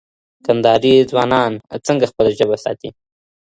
کندهاري ځوانان څنګه خپله ژبه ساتي؟